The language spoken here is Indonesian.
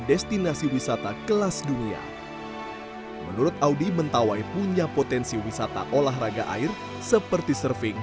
destinasi wisata kelas dunia menurut audi mentawai punya potensi wisata olahraga air seperti surfing